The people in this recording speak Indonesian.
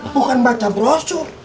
bukan baca brosur